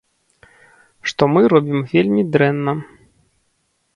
Што мы робім вельмі дрэнна.